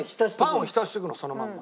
パンを浸しとくのそのまま。